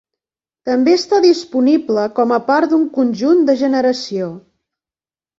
També està disponible com a part d'un conjunt de generació.